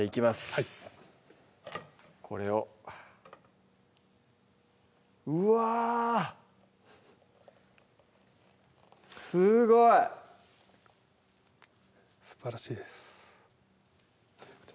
はいこれをうわぁすごいすばらしいです